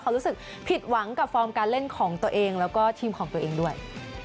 เขารู้สึกผิดหวังกับฟอร์มการเล่นของตัวเองแล้วก็ทีมของตัวเองด้วย